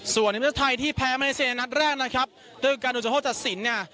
ส่วนนิมเตอร์ไทยที่แพ้มาในเซียในนัดแรกนะครับโดยการดูจะห้อจัดสินเนี่ย